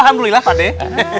alhamdulillah pak deh